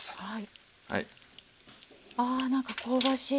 はい。